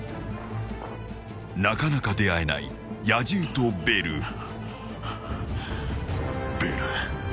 ［なかなか出会えない野獣とベル］